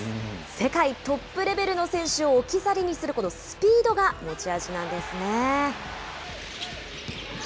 世界トップレベルの選手を置き去りにする、このスピードが持ち味なんですね。